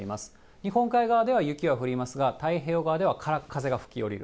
日本海側では雪が降りますが、太平洋側ではからっ風が吹き下りる。